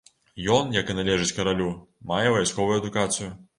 Ён, як і належыць каралю, мае вайсковую адукацыю.